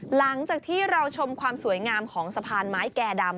หลังจากที่เราชมความสวยงามของสะพานไม้แก่ดำ